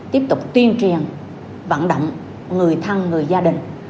tiếp tục tuyên truyền vận động người thân người gia đình